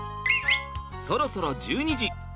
そろそろ１２時。